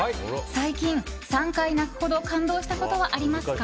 最近、３回泣くほど感動したことはありますか？